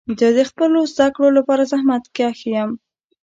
زه د خپلو زده کړو لپاره زحمت کښ یم.